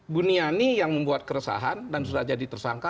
buniani yang membuat keresahan dan sudah jadi tersangka